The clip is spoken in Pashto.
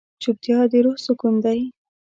چوپتیا، د روح سکون دی.